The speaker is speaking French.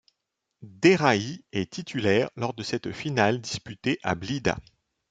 Derrahi est titulaire lors de cette finale disputée à Blida.